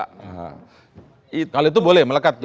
kalau itu boleh melekat